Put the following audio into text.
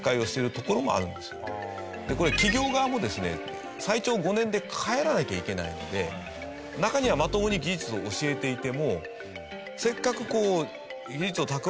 でこれ企業側もですね最長５年で帰らなきゃいけないので中にはまともに技術を教えていても。